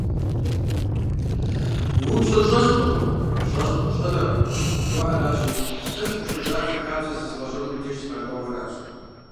УпщӀэ щӀэщхъуркъым, щӀэщхъу щӀэнэркъым жыхуаӀэращи, сэ сыкъыщӀежьар фи хабзэр зэзгъэщӀэну уи деж сыкъэкӀуауэ аращ.